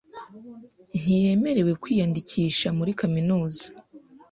Ntiyemerewe kwiyandikisha muri kaminuza.